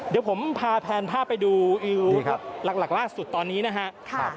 เดี๋ยวผมพาแพนภาพไปดูอิวหลักล่าสุดตอนนี้นะครับ